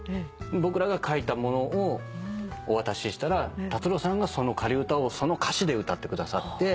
僕らが書いたものをお渡ししたら達郎さんがその仮歌をその歌詞で歌ってくださって。